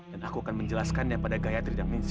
dan aku akan menjelaskannya pada gayatri dan ningsi